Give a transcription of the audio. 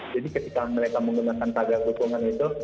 jadi ketika mereka menggunakan tagar dukungan itu